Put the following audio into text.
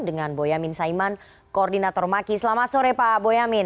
dengan boyamin saiman koordinator maki selamat sore pak boyamin